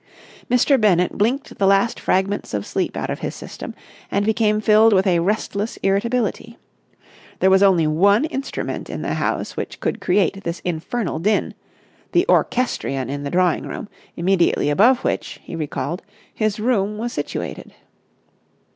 Mr. Bennett blinked the last fragments of sleep out of his system, and became filled with a restless irritability. There was only one instrument in the house which could create this infernal din—the orchestrion in the drawing room, immediately above which, he recalled, his room was situated.